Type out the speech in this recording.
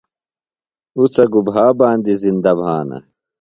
اُڅہ گُبھا باندیۡ زِندہ بھانہ؟